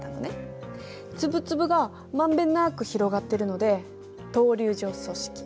粒々がまんべんなく広がってるので等粒状組織。